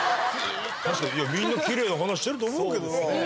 確かにみんなキレイな鼻してると思うけどな。